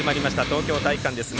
東京体育館です。